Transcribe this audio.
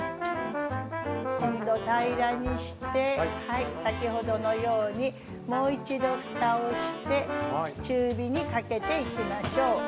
今度平らにして先ほどのようにもう一度ふたをして中火にかけていきましょう。